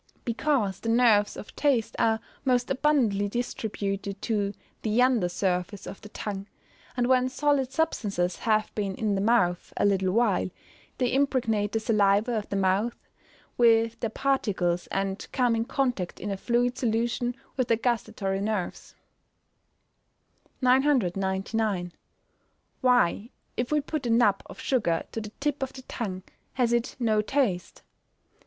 _ Because the nerves of taste are most abundantly distributed to the under surface of the tongue; and when solid substances have been in the mouth a little while, they impregnate the saliva of the mouth with their particles and come in contact in a fluid solution with the gustatory nerves. 999. _Why if we put a nub of sugar to the tip of the tongue has it no taste?